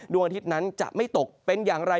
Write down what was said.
ดวงอาทิตย์นั้นจะไม่ตกเป็นอย่างไร